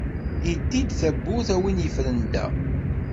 ldi-d tawwurt a win yefren da.